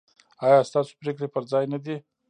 ایا ستاسو پریکړې پر ځای نه دي؟